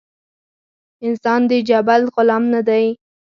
انسان د جبلت غلام نۀ دے